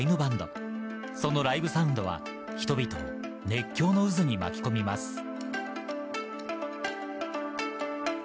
そのライブサウンドは人々を熱狂の渦に巻き込みます。